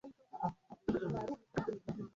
Hujisikia vizuri kutembea karibu na jiwe la jiji